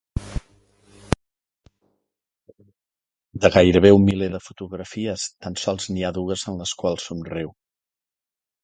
En gairebé un miler de fotografies, tan sols hi ha dues en les quals somriu.